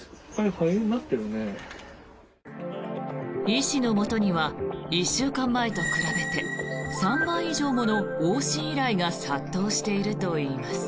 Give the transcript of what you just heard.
医師のもとには１週間前と比べて３倍以上もの往診依頼が殺到しているといいます。